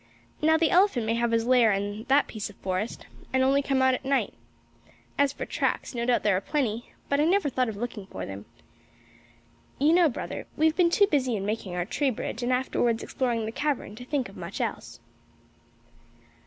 Now the elephant may have his lair in that piece of forest, and only come out at night. As for tracks, no doubt there are plenty, but I never thought of looking for them. You know, brother, we have been too busy in making our tree bridge, and afterwards exploring the cavern, to think of much else."